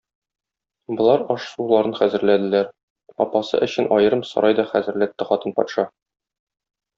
Болар аш-суларын хәзерләделәр, апасы өчен аерым сарай да хәзерләтте хатын патша.